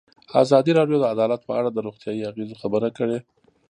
ازادي راډیو د عدالت په اړه د روغتیایي اغېزو خبره کړې.